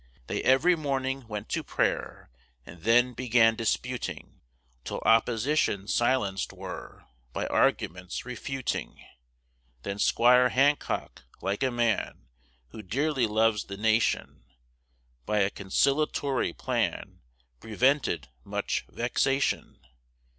They every morning went to prayer; And then began disputing; Till opposition silenced were, By arguments refuting. Then 'Squire Hancock, like a man Who dearly loves the nation, By a Concil'atory plan, Prevented much vexation.